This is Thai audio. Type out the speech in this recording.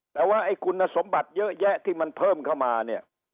แต่ว่าไอ้คุณสมบัติเยอะแยะที่มันเพิ่มเข้ามาเนี่ย